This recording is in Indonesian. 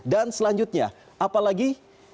dan selanjutnya apalagi